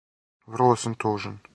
Врло сам тужан.